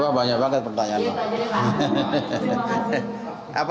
wah banyak banget pertanyaan pak